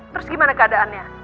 terus gimana keadaannya